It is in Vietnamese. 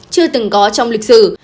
chưa từng có trong lịch sử